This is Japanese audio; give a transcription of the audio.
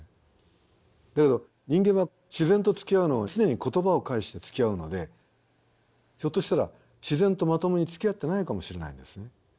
だけど人間は自然とつきあうのを常に言葉を介してつきあうのでひょっとしたら自然とまともにつきあってないかもしれないんですね。